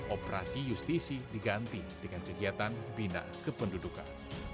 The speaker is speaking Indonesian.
operasi justisi diganti dengan kegiatan bina kependudukan